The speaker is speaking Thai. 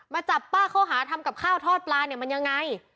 จับป้าเขาหาทำกับข้าวทอดปลาเนี่ยมันยังไง